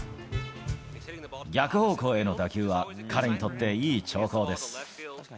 逆方向への打球は、彼にとっていい兆候です。